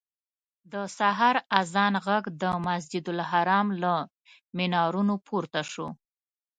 د سهار اذان غږ د مسجدالحرام له منارونو پورته شو.